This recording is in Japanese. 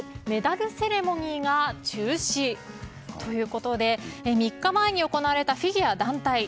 メダルセレモニーが中止ということで３日前に行われたフィギュア団体